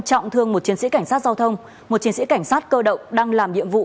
trọng thương một chiến sĩ cảnh sát giao thông một chiến sĩ cảnh sát cơ động đang làm nhiệm vụ